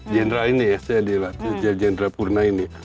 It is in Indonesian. general ini ya saya adalah jenderal purna ini